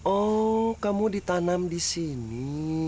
oh kamu ditanam di sini